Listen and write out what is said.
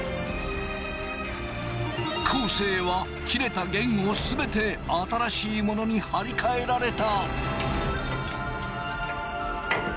昴生は切れた弦を全て新しいものに張り替えられた。